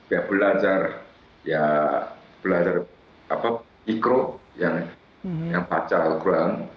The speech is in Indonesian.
ya belajar ya belajar apa mikro yang pacar ukuran